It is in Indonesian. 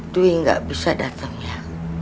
dwi enggar bisa dateng ya